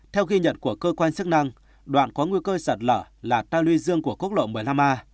theo ghi nhận của cơ quan chức năng đoạn có nguy cơ sạt lở là ta lưu dương của quốc lộ một mươi năm a